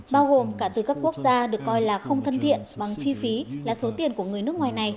bao gồm cả từ các quốc gia được coi là không thân thiện bằng chi phí là số tiền của người nước ngoài này